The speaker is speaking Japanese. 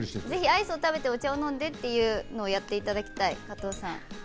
アイスを食べてお茶を飲んでっていうのを、ぜひやっていただきたい、加藤さん。